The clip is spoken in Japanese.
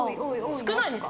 少ないのか。